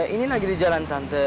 ini lagi di jalan tante